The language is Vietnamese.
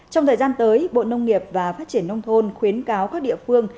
trong thời gian tới bộ nông nghiệp và phát triển nông thôn khuyến cáo các địa phương